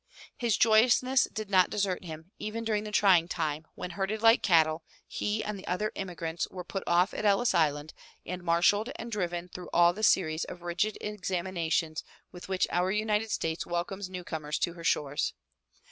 His joyousness did not desert him even during the trying time when, like herded cattle, he and the other immigrants were put off at Ellis Island and marshalled and driven through all the series of rigid examinations with which our United States wel comes newcomers to her shores.